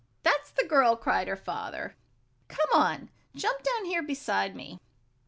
"That's the girl!" cried her father. "Come on; jump down here beside me!"